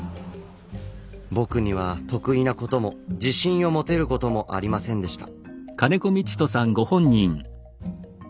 僕には得意なことも自信を持てることもありませんでした。